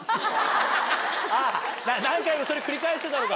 何回もそれ繰り返してたのか？